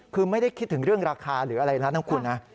คือไม่ได้คิดถึงเรื่องราคาหรืออะไรแล้วนะคุณนะ